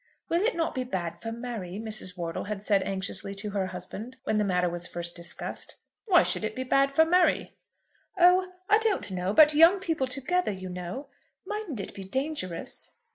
"Will it not be bad for Mary?" Mrs. Wortle had said anxiously to her husband when the matter was first discussed. "Why should it be bad for Mary?" "Oh, I don't know; but young people together, you know? Mightn't it be dangerous?"